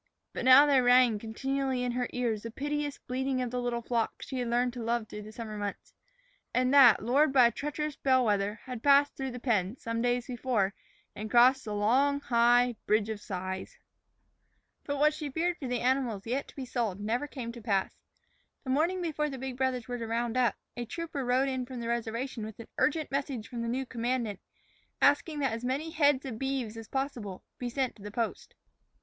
But now there rang continually in her ears the piteous bleating of the little flock she had learned to love through the summer months, and that, lured by a treacherous bell wether, had passed through the pen, some days before, and crossed the long, high Bridge of Sighs. But what she feared for the animals yet to be sold never came to pass. The morning before the big brothers were to round up, a trooper rode in from the reservation with an urgent message from the new commandant, asking that as many head of beeves as possible be sent to the post.